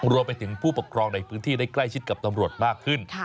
รวมไปถึงผู้ปกครองในพื้นที่ได้ใกล้ชิดกับตำรวจมากขึ้น